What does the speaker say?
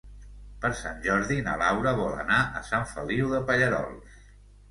Per Sant Jordi na Laura vol anar a Sant Feliu de Pallerols.